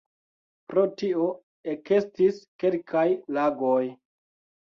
Pro tio ekestis kelkaj lagoj.